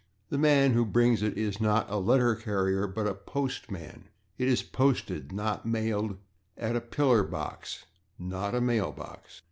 The man who brings it is not a /letter carrier/, but a /postman/. It is /posted/, not /mailed/, at a /pillar box/, not at a /mail box